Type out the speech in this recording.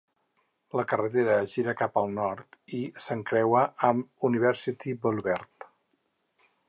La carretera gira cap al nord i s'encreua amb University Boulevard.